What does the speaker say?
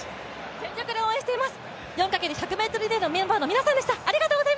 全力で応援しています！